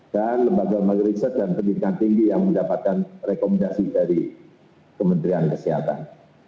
dan lembaga lembaga riset dan penyelidikan tinggi yang mendapatkan rekomendasi dari kementerian kesehatan